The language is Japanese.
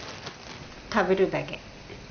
食べるだけ。